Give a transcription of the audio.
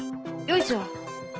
よいしょ。